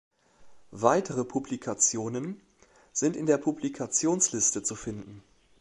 Weitere Publikationen sind in der Publikationsliste zu finden.